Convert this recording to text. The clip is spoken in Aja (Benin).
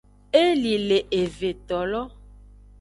Eli le evetolo.